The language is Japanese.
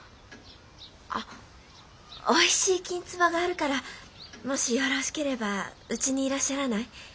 あっおいしいきんつばがあるからもしよろしければうちにいらっしゃらない？